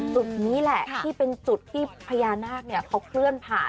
จุดนี้แหละที่เป็นจุดที่พญานาคเขาเคลื่อนผ่าน